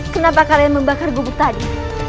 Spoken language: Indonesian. kenapa kalian membakar gubuk tadi